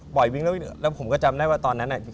วิ่งแล้ววิ่งแล้วผมก็จำได้ว่าตอนนั้นอ่ะ